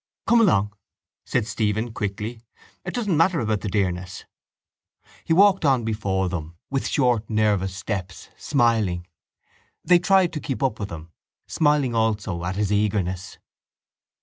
—Come along, said Stephen quickly. It doesn't matter about the dearness. He walked on before them with short nervous steps, smiling. They tried to keep up with him, smiling also at his eagerness.